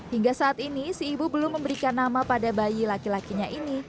hingga saat ini si ibu belum memberikan nama pada bayi laki lakinya ini